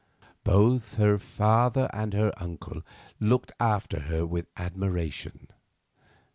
Both her father and her uncle looked after her with admiration.